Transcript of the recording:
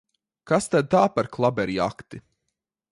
Kas tad tā par klaberjakti!